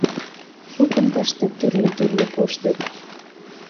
Шукын тыште тӱрлӧ-тӱрлӧ коштыт...